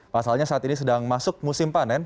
pasalnya saat ini sedang masuk musim panen